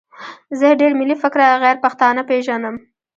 زه ډېر ملي فکره غیرپښتانه پېژنم.